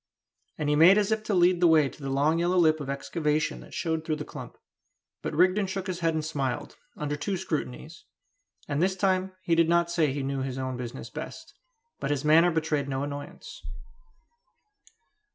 And he made as if to lead the way to the long yellow lip of excavation that showed through the clump. But Rigden shook his head and smiled, under two scrutinies; and this time he did not say that he knew his own business best; but his manner betrayed no annoyance.